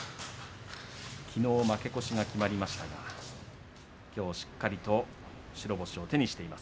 きのう負け越しが決まりましたがきょうしっかりと白星を手にしています